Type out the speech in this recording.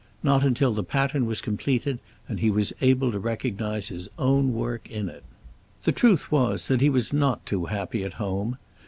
Not until the pattern was completed and he was able to recognize his own work in it. The truth was that he was not too happy at home.